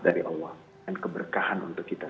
dari allah dan keberkahan untuk kita